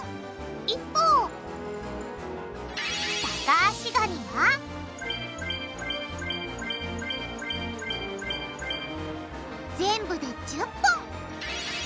一方タカアシガニは全部で１０本！